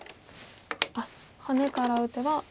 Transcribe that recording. ハネから打てば。